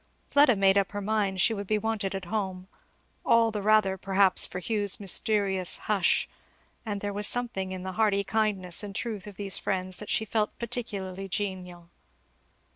Fleda made up her mind she would be wanted at home; all the rather perhaps for Hugh's mysterious "hush"; and there was something in the hearty kindness and truth of these friends that she felt particularly genial.